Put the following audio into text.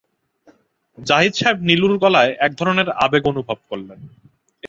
জাহিদ সাহেব নীলুর গলায় এক ধরনের আবেগ অনুভব করলেন।